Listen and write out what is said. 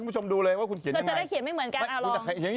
จะได้เขียนไม่เหมือนกันเอาลอง